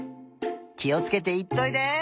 きをつけていっといで！